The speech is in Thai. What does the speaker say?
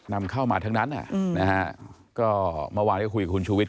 นำเข้ามาทั้งนั้นมาวางแล้วคุยกับคุณชูวิทย์